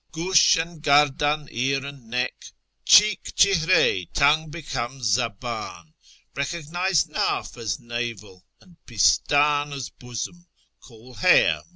Gfish and gardan ear and neck ; cheek chihrif, tongue becomes zabdji ; Eecognise ndf as navel, and pistdn as bosom ; call hair m/t."